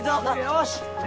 よし！